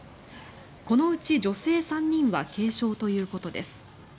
このうち、女性３人は軽傷ということです。